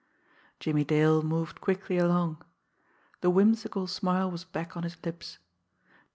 Jimmie Dale moved quickly along. The whimsical smile was back on his lips.